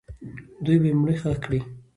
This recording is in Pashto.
دوی به یې مړی ښخ کړي.